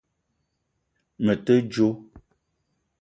Me te djo